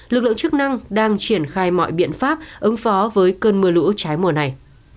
lực lượng chức năng đang triển khai mọi biện pháp ứng phó với cơn mưa lũ trái mùa này